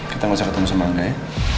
kita gak usah ketemu sama andai